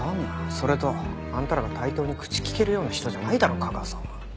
それとあんたらが対等に口利けるような人じゃないだろ架川さんは。